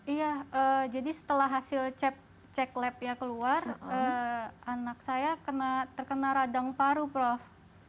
iya jadi setelah hasil cek labnya keluar anak saya terkena radang paru prof